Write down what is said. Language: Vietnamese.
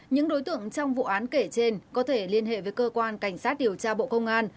những đối tượng trong vụ án kể trên có thể liên hệ với cơ quan cảnh sát điều tra bộ công an